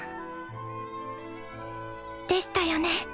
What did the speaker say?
でしたよね